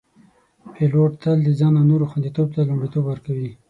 پیلوټ تل د ځان او نورو خوندیتوب ته لومړیتوب ورکوي.